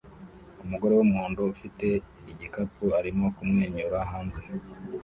Umugore wumuhondo ufite igikapu arimo kumwenyura hanze